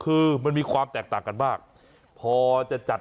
ยืนยันว่าม่อข้าวมาแกงลิงทั้งสองชนิด